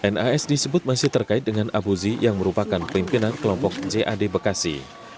nas disebut masih terkait dengan abu zi yang merupakan pimpinan kelompok jad bekasi